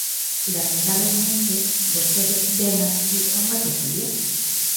Lamentablemente, vostede vén aquí a unha tertulia.